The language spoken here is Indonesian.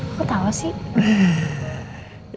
aku tau sih